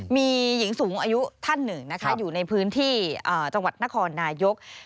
มีหญิงสูงอายุท่านหนึ่งนะคะอยู่ในพื้นที่จังหวัดนครนายก